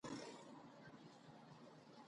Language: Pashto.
په کارخانه کې ماهر او غیر ماهر کارګران کار کوي